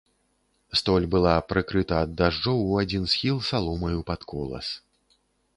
Столь была прыкрыта ад дажджоў у адзін схіл саломаю пад колас.